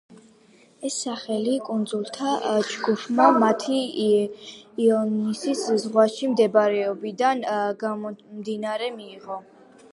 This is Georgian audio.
ეს სახელი კუნძულთა ჯგუფმა მათი იონიის ზღვაში მდებარეობიდან გამომდინარე მიიღო.